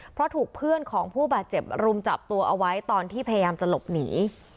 เพราะถูกเพื่อนของผู้บาดเจ็บรุมจับตัวเอาไว้ตอนที่พยายามจะหลบหนี